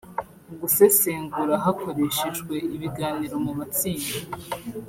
gusesengura hakoreshejwe ibiganiro mu matsinda